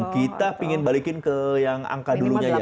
kita pingin balikin ke yang angka dulunya ya